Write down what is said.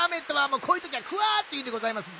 もうこういうときは「くわ」っていうんでございます。